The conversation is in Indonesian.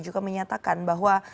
juga menyatakan bahwa